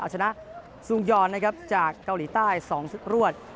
เอาชนะซุงยอนนะครับจากเกาหลีใต้๒ชุดรวด